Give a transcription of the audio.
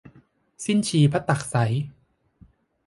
สิ้นชีพตักษัย